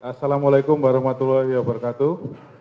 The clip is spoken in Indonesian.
assalamu'alaikum warahmatullahi wabarakatuh